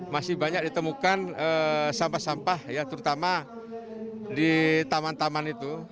masih banyak ditemukan sampah sampah yang terutama di taman taman itu